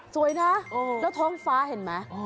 สวยนะแล้วท้องฟ้าเห็นไหม